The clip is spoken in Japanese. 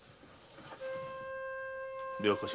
では頭。